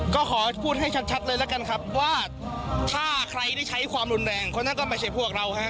ก็ขอพูดให้ชัดเลยแล้วกันครับว่าถ้าใครได้ใช้ความรุนแรงคนนั้นก็ไม่ใช่พวกเราฮะ